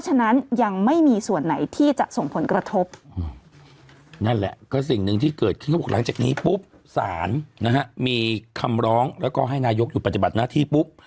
กดอีกคำร้องแล้วก็ให้นายกดูปัจจุบัติหน้าที่ปุ๊บ